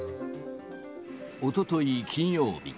おととい金曜日。